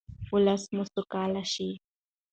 ولس مو سوکاله شي.